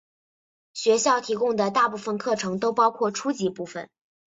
学校提供的大部分课程都包括初级部分。